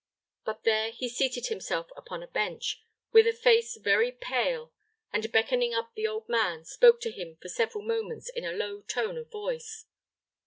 But there he seated himself upon a bench, with a face very pale, and beckoning up the old man, spoke to him for several moments in a low tone of voice.